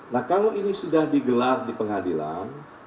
nah kalau ini sudah digelar di pengadilan